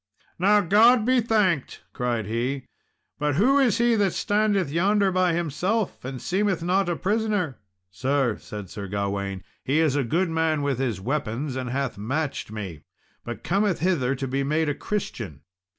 "Now God be thanked," cried he; "but who is he that standeth yonder by himself, and seemeth not a prisoner?" "Sir," said Sir Gawain, "he is a good man with his weapons, and hath matched me; but cometh hither to be made a Christian.